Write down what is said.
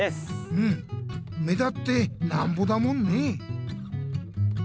うん目立ってなんぼだもんね！